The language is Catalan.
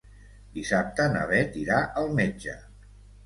Dissabte na Bet irà al metge.